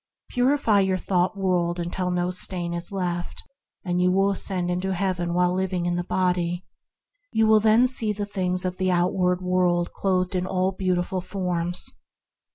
Purify your thought world until no stain is left, and you shall ascend into Heaven while living in the body. You will then see the things of the outward world clothed in all beautiful forms.